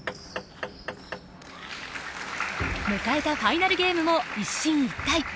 迎えたファイナルゲームも一進一退。